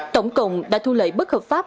tổng cộng đã thu lợi bất hợp pháp